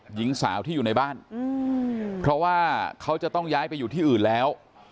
หญิงสาวที่อยู่ในบ้านเพราะว่าเขาจะต้องย้ายไปอยู่ที่อื่นแล้ว